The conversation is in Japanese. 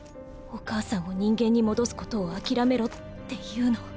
お母さんを人間に戻すことを諦めろって言うの？